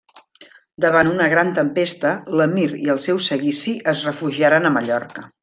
Davant una gran tempesta, l'emir i el seu seguici es refugiaren a Mallorca.